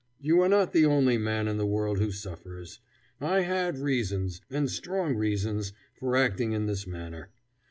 You are not the only man in the world who suffers. I had reasons and strong reasons for acting in this manner.